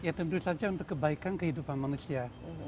ya tentu saja untuk kebaikan kehidupan manusia